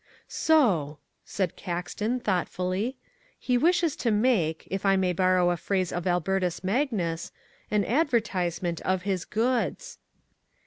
"So," said Caxton, thoughtfully, "he wishes to make, if I may borrow a phrase of Albertus Magnus, an advertisement of his goods."